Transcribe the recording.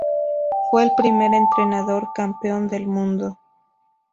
Fue el primer entrenador campeón del mundo.